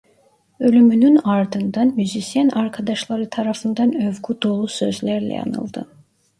Ölümünün ardından müzisyen arkadaşları tarafından övgü dolu sözlerle anıldı.